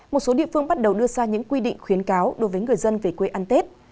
một số địa phương bắt đầu đưa ra những quy định khuyến cáo đối với người dân về quê ăn tết